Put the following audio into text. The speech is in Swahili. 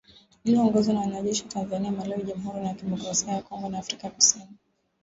Iliyoongozwa na wanajeshi wa Tanzania, Malawi, Jamhuri ya kidemokrasia ya Kongo na Afrika kusini.